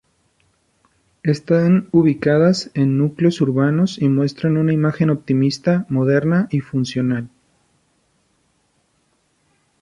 Están ubicadas en núcleos urbanos y muestran una imagen optimista, moderna y funcional.